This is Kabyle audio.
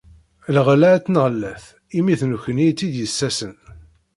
Lɣella ad tt-neɣlet imi d nukni i tt-id-yessasen.